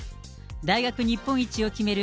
大学日本一を決める